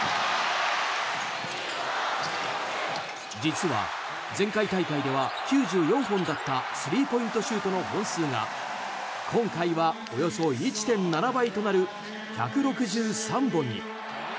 実は前回大会では９４本だったスリーポイントシュートの本数が今回はおよそ１．７倍となる１６３本に。